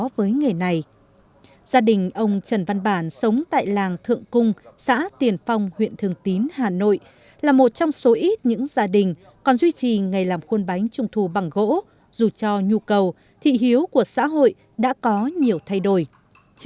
với gia đình ông bàn công việc làm khuôn bánh vừa là nghề vừa là nghiệp